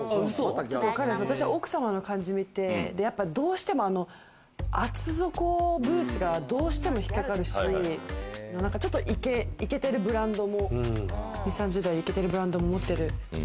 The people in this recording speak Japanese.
私は奥様の感じをみて、どうしても厚底ブーツがどうしても引っ掛かるし、ちょっとイケてるブランドも、２０３０代イケてるブランドも持っている。